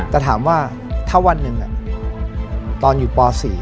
แต่ถามว่าถ้าวันหนึ่งตอนอยู่ป๔